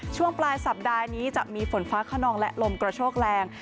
ช่วงปลายสัปดาห์นี้จะมีฝนฟ้าขนองและลมกระโชกแรง